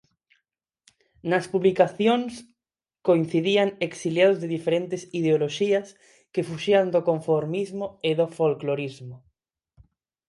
Nas publicacións coincidían exiliados de diferentes ideoloxías que fuxían do conformismo e do folclorismo.